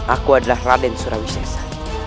aku adalah raden surawisesa